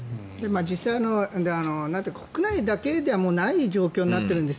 実際、国内だけではない状況になってるんです。